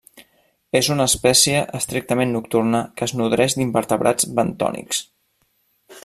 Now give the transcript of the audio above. És una espècie estrictament nocturna que es nodreix d'invertebrats bentònics.